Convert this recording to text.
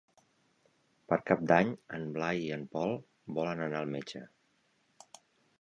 Per Cap d'Any en Blai i en Pol volen anar al metge.